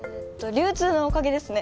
流通のおかげですね。